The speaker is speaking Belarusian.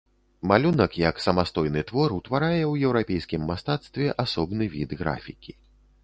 Малюнак, як самастойны твор, утварае ў еўрапейскім мастацтве асобны від графікі.